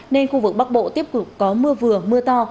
nên khu vực bắc bộ tiếp tục có mưa vừa mưa to